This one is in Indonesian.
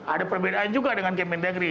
ada perbedaan juga dengan kementerian negeri